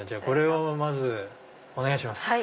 これをまずお願いします。